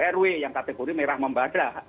rw yang kategori merah membada